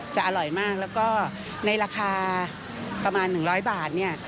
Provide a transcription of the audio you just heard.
จะอร่อยมากแล้วก็ในราคาประมาณ๑๐๐บาทเนี่ย